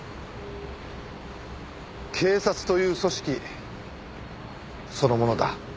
警察という組織そのものだ。